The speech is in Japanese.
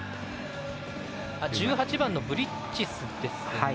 １８番のブリッジスですね。